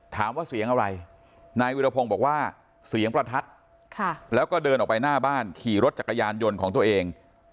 ถามว่าเสียงอะไรนายวิรพงศ์บอกว่าเสียงประทัดแล้วก็เดินออกไปหน้าบ้านขี่รถจักรยานยนต์ของตัวเอง